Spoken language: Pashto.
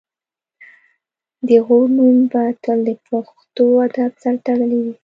د غور نوم به تل د پښتو ادب سره تړلی وي